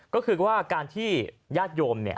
ก็คือว่าการที่ญาติโยม